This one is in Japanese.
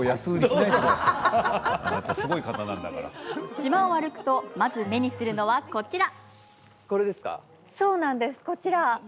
島を歩くとまず目にするのは、こちら。